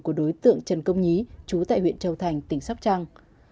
của đối tượng trần công nhí chú tại huyện châu thành tỉnh sóc trăng